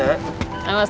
aku mau seneng